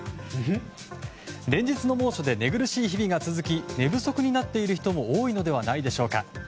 連日の猛暑で寝苦しい日々が続き寝不足になっている人も多いのではないでしょうか。